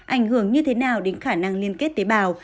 ảnh hưởng như thế nào đến khả năng liên kết tế bào